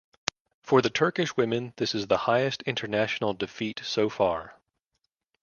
For the Turkish women this is the highest international defeat so far.